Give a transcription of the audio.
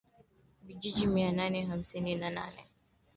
Vijiji mia nne hamsini na nane